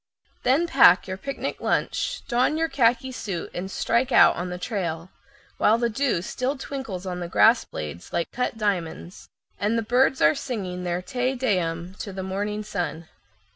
Then pack your lunch basket, don your khaki suit, and strike out on the trail, while the dew still twinkles on the grass blades like cut diamonds, and the birds are singing their Te Deum to the morning sun.